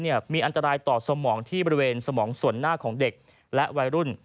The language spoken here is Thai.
ซึ่งเกมลักษณะนี้มีอันตรายต่อสมองที่บริเวณสมองส่วนหน้าของเด็กและวัยรุ่น